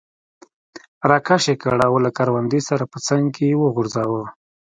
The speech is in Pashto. را کش یې کړ او له کروندې سره په څنګ کې یې وغورځاوه.